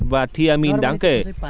và thiamin đáng kể